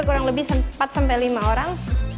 kurang lebih empat sampai lima orang